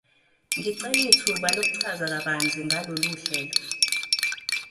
Ngicela ithuba lokuchaza kabanzi ngalolu hlelo.